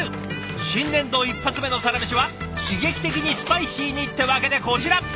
新年度１発目のサラメシは刺激的にスパイシーにってわけでこちら！